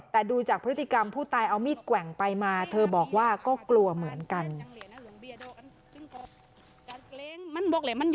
แต่ดูจากพฤติกรรมผู้ตายเอามีดแกว่งไปมาเธอบอกว่าก็กลัวเหมือนกัน